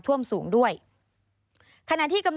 สวัสดีค่ะสวัสดีค่ะ